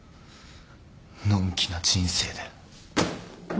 のんきな人生で。